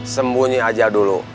sembunyi aja dulu